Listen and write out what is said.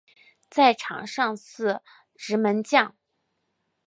在场上司职门将。